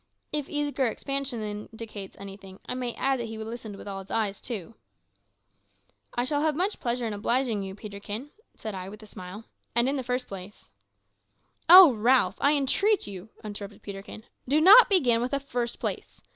If eager expansion indicates anything, I may add that he listened with all his eyes too! "I shall have much pleasure in obliging you, Peterkin," said I, with a smile. "And in the first place " "O Ralph, I entreat you," interrupted Peterkin, "do not begin with a `_first place_.'